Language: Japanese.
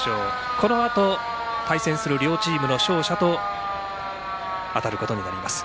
このあと対戦する両チームの勝者と当たることになります。